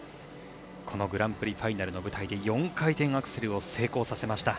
このグランプリファイナルの舞台で４回転アクセルを成功させました。